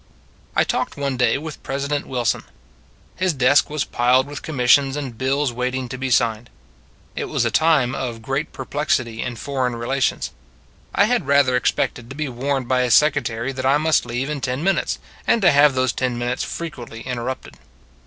I talked one day with President Wilson. His desk was piled with commissions and bills waiting to be signed; it was a time of great perplexity in foreign relations. I had rather expected to be warned by his secretary that I must leave in ten minutes, and to have those ten minutes frequently interrupted.